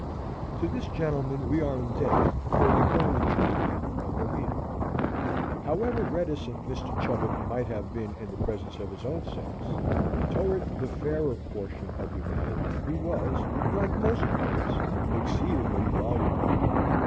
To this gentleman we are indebted for the only true account of the meeting. However reticent Mr. Chubbuck might have been in the presence of his own sex, toward the fairer portion of humanity he was, like most poets, exceedingly voluble.